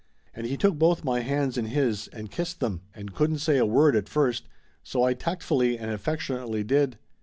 And he took both my hands in his and kissed them ind couldn't say a word at first, so I tactfully and affectionately did.